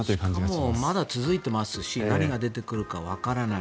しかもまだ続いてますし何が出てくるかわからない。